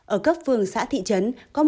ở cấp phương xã thị trấn có một trăm sáu mươi ba